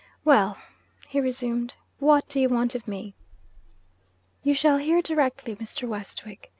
'Well?' he resumed. 'What do you want of me?' 'You shall hear directly, Mr. Westwick.